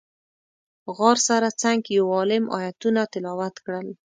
غار سره څنګ کې یو عالم ایتونه تلاوت کړل.